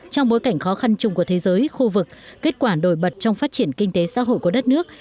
trong bối cảnh khó khăn chung của thế giới khu vực kết quả nổi bật trong phát triển kinh tế xã hội của đất nước